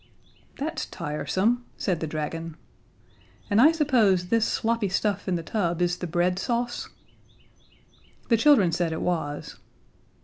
"That's tiresome," said the dragon. "And I suppose this sloppy stuff in the tub is the bread sauce?" The children said it was.